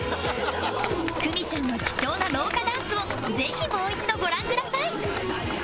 久美ちゃんの貴重な廊下ダンスをぜひもう一度ご覧ください